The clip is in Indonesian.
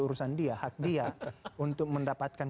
urusan dia hak dia untuk mendapatkan